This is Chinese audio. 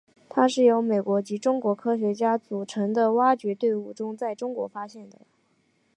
它是由美国及中国科学家组成的挖掘队伍在中国发现的。